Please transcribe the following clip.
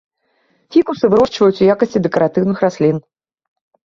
Фікусы вырошчваюць у якасці дэкаратыўных раслін.